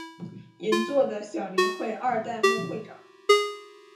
银座的小林会二代目会长。